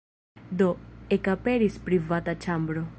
Do, ekaperis privata ĉambro.